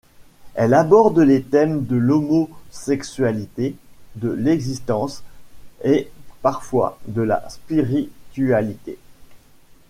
Elles abordent les thèmes de l'homosexualité, de l'existence et parfois de la spiritualité.